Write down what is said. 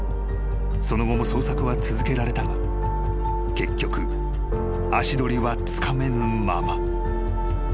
［その後も捜索は続けられたが結局足取りはつかめぬまま］